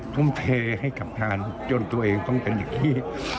ทุ่มเทให้กับทานจนตัวเองต้องเป็นอย่างนี้